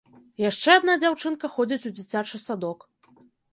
Яшчэ адна дзяўчынка ходзіць у дзіцячы садок.